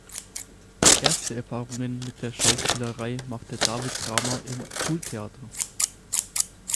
Erste Erfahrungen mit der Schauspielerei machte David Kramer im Schultheater.